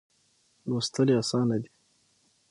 لوستل یې آسانه دي.